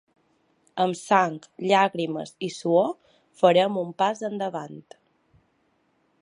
Amb sang, llàgrimes i suor, farem un pas endavant.